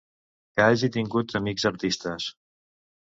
Que hagi tingut amics artistes.